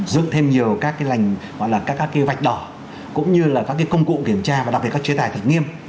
dựng thêm nhiều các cái lành gọi là các cái vạch đỏ cũng như là các cái công cụ kiểm tra và đặc biệt các chế tài thật nghiêm